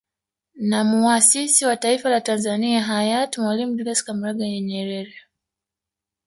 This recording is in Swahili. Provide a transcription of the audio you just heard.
Na muasisi wa taifa la Tanzania Hayati Mwalimu Julius Kambarage Nyerere